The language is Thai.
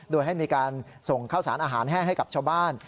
โดยให้มีการส่งข้าวสารอาหารแห้งให้กับชาวบ้าน